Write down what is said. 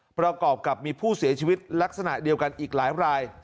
ประกอบกับมีผู้เสียชีวิตลักษณะเดียวกันอีกหลายราย